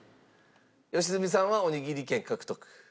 良純さんはおにぎり権獲得。